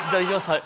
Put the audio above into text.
はい。